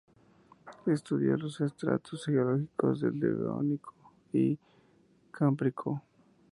Estudió los estratos geológicos del Devónico y del Cámbrico.